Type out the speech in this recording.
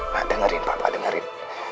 nak dengerin papa dengerin